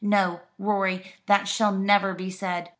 No, Rorie, that shall never be said.